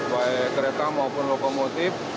baik kereta maupun lokomotif